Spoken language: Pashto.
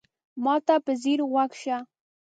ما ته په ځیر غوږ شه !